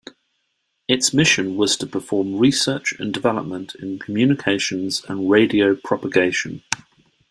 Its mission was to perform research and development in communications and radio propagation.